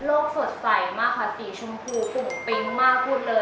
สดใสมากค่ะสีชมพูฟุบปิ๊งมากพูดเลย